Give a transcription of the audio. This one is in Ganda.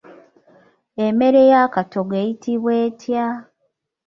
Emmere ey'akatogo eyitibwa etya?